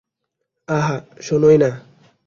আহা, শোনোই না।